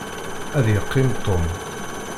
Ad yeqqim Tom.